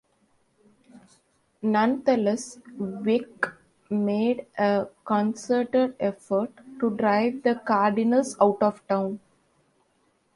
Nonetheless, Veeck made a concerted effort to drive the Cardinals out of town.